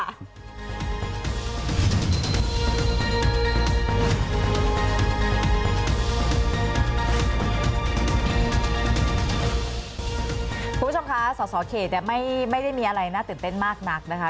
คุณผู้ชมคะสสเขตไม่ได้มีอะไรน่าตื่นเต้นมากนักนะคะ